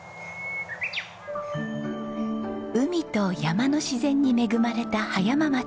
海と山の自然に恵まれた葉山町。